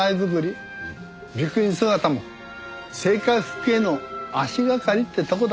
比丘尼姿も政界復帰への足がかりってとこだろう。